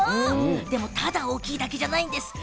でもただ大きいだけじゃないんです。